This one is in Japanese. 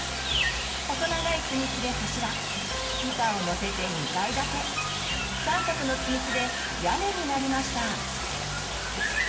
細長いつみきで柱板をのせて２階建て三角のつみきで屋根になりました。